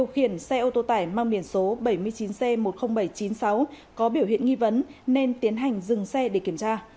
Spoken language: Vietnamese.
điều khiển xe ô tô tải mang biển số bảy mươi chín c một mươi nghìn bảy trăm chín mươi sáu có biểu hiện nghi vấn nên tiến hành dừng xe để kiểm tra